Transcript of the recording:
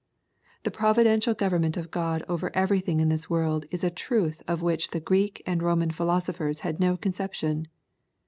Tbe providential government of God over everything in this world is a truth of which the Greek and Roman philosophers had no conception.